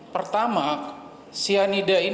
pertama cyanida ini akan memberikan efek